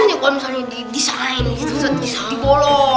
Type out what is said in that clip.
misalnya kalau di desain di sanggol